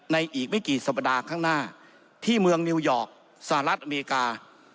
อีกไม่กี่สัปดาห์ข้างหน้าที่เมืองนิวยอร์กสหรัฐอเมริกา